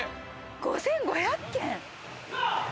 ５５００軒⁉